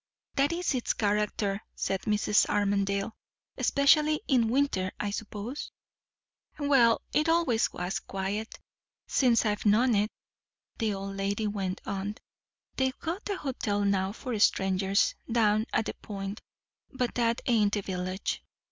"That is its character," said Mrs. Armadale. "Especially in winter, I suppose?" "Well, it allays was quiet, since I've known it," the old lady went on. "They've got a hotel now for strangers, down at the Point but that ain't the village."